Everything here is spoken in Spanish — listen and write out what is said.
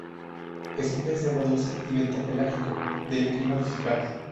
Es un pez de agua dulce y bentopelágico de clima tropical.